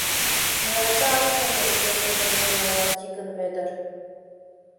— Мыят тыгак шонем, — пеҥгыдемден ойла Тикын Вӧдыр.